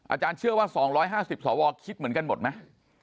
อาจารย์เชื่อว่า๒๕๐สวคิดเหมือนกันหมดไหม